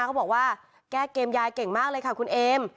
เขาบอกว่าแก้เกมยายเก่งมากเลยค่ะคุณเอม